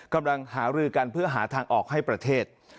กำลังหารือกันเพื่อหาทางออกให้ประเทศ